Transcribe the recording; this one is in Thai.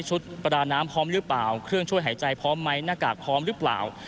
ประดาน้ำพร้อมหรือเปล่าเครื่องช่วยหายใจพร้อมไหมหน้ากากพร้อมหรือเปล่า